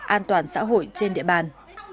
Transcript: an toàn xã hội trên địa bàn